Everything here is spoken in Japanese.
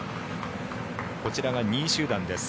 こちらが２位集団です。